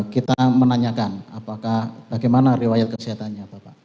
kita menanyakan apakah bagaimana riwayat kesehatannya bapak